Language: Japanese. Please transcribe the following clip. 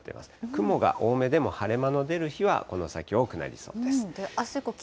雲が多めでも、晴れ間の出る日はこの先、多くなりそうです。